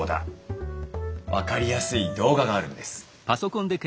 分かりやすい動画があるんです。